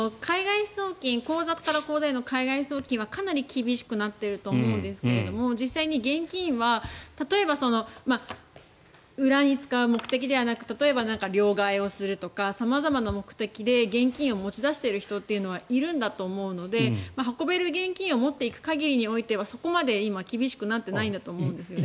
今、口座から口座の海外送金はかなり厳しくなっていると思うんですけど実際に現金は例えば裏に使う目的ではなく例えば両替をするとか様々な目的で現金を持ち出している人というのはいるんだと思うので運べる現金を持っていく限りにおいてはそこまで今厳しくなってないんだと思うんですね。